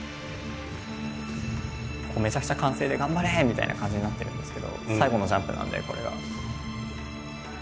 ここめちゃくちゃ歓声で「頑張れ！」みたいな感じになってるんですけど最後のジャンプなんでこれが。